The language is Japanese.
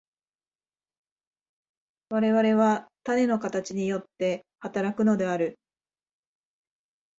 我々は種の形によって働くのである。